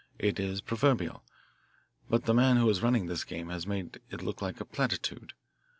It is proverbial, but the man who is running this game has made it look like a platitude.